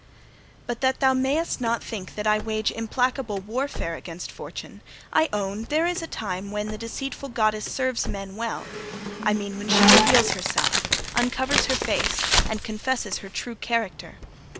'But that thou mayst not think that I wage implacable warfare against Fortune, I own there is a time when the deceitful goddess serves men well I mean when she reveals herself, uncovers her face, and confesses her true character.